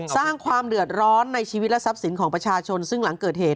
สร้างความเดือดร้อนในชีวิตและทรัพย์สินของประชาชนซึ่งหลังเกิดเหตุ